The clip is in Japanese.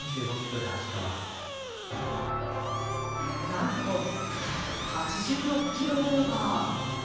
何と、８６キロオーバー。